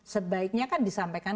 sebaiknya kan disampaikan